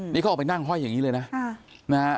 นี่เขาออกไปนั่งห้อยอย่างนี้เลยนะ